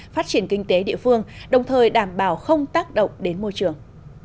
phát triển kinh tế địa phương đồng thời đảm bảo không tác động đến môi trường